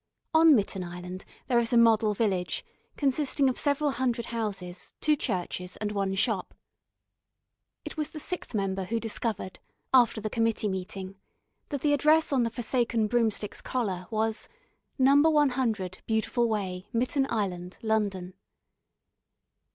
On Mitten Island there is a model village, consisting of several hundred houses, two churches, and one shop. It was the sixth member who discovered, after the committee meeting, that the address on the forsaken broomstick's collar was: Number 100 Beautiful Way, Mitten Island, London.